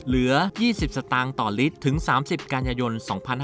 เหลือ๒๐สตางค์ต่อลิตรถึง๓๐กันยายน๒๕๕๙